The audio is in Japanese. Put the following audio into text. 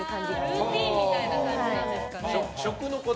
ルーティンみたいな感じなんですかね。